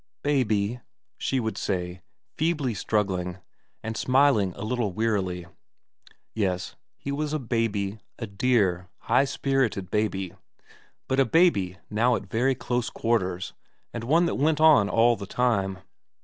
' Baby,' she would say, feebly struggling, and smiling a little wearily. Yes, he was a baby, a dear, high spirited baby, but a baby now at very close quarters and one that went on all the time.